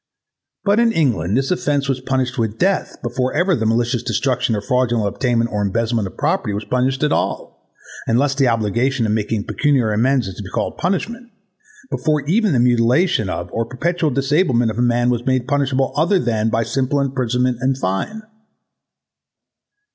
But in England this offence was punished with death before ever the malicious destruction or fraudulent obtainment or embezzlement of property was punished at all, unless the obligation of making pecuniary amends is to be called a punishment; before even the mutilation of' or the perpetual disablement of a man was made punishable otherwise than by simple imprisonment and fine.